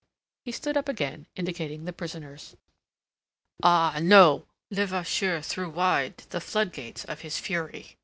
He stood up again, indicating the prisoners. "Ah, no!" Levasseur threw wide the floodgates of his fury.